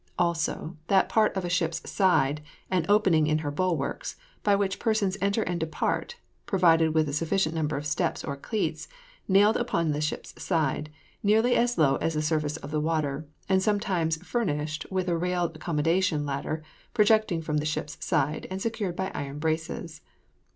Also, that part of a ship's side, and opening in her bulwarks, by which persons enter and depart, provided with a sufficient number of steps or cleats, nailed upon the ship's side, nearly as low as the surface of the water, and sometimes furnished with a railed accommodation ladder projecting from the ship's side, and secured by iron braces.